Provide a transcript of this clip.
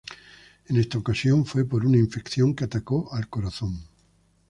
En esta ocasión fue por una infección que atacó al corazón.